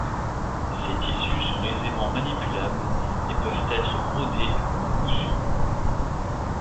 Ces tissus sont aisément manipulables et peuvent être brodés ou cousus.